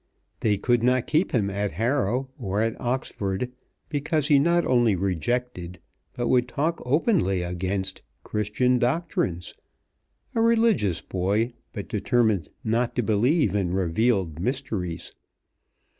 They could not keep him at Harrow or at Oxford, because he not only rejected, but would talk openly against, Christian doctrines; a religious boy, but determined not to believe in revealed mysteries.